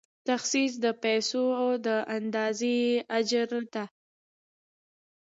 تخصیص د پیسو د اندازې اجرا ده.